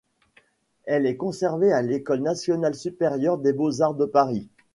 Elle est conservée à l'École nationale supérieure des beaux-arts de Paris.